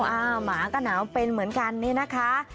หมาก็หนาวเป็นเหมือนกันนี่นะคะ